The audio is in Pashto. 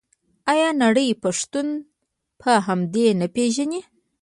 آیا نړۍ پښتون په همدې نه پیژني؟